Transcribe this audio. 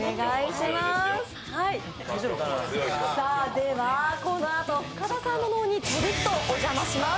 ではこのあと深田さんの脳にちょびっとお邪魔します。